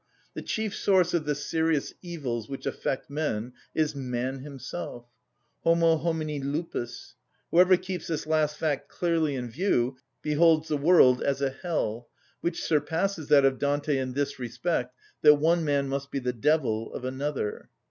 The chief source of the serious evils which affect men is man himself: homo homini lupus. Whoever keeps this last fact clearly in view beholds the world as a hell, which surpasses that of Dante in this respect, that one man must be the devil of another.